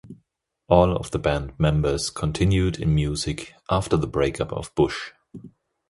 All of the band members continued in music after the breakup of Bush.